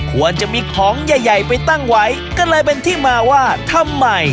ควรจะมีของใหญ่ใหญ่ไปตั้งไว้ก็เลยเป็นที่มาว่าทำไม